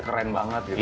keren banget gitu